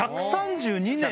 １３２年。